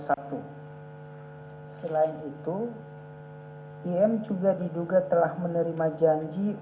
selain itu im juga diduga telah menerima janji